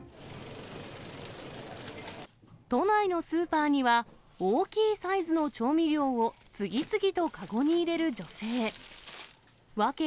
都内のスーパーには、大きいサイズの調味料を次々と籠に入れる女性。